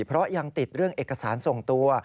เพราะยังติดเรื่องเอกสารส่งตัว